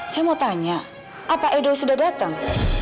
saya mau tanya apa edo sudah datang